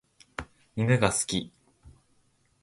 犬が好き。